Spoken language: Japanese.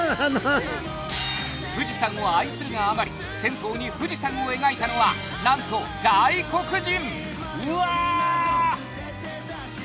富士山を愛するがあまり銭湯に富士山を描いたのはなんと外国人！